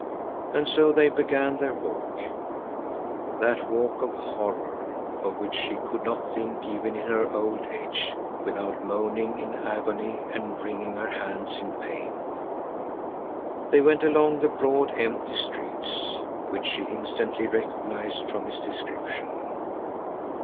And so they began their walk, that walk of horror, of which she could not think even in her old age without moaning in agony and wringing her hands in pain. They went along the broad, empty streets, which she instantly recognized from his description.